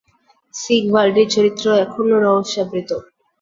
সিগভাল্ডির চরিত্র এখনও রহস্যাবৃত।